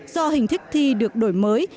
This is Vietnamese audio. do hình thức thi được đổi mới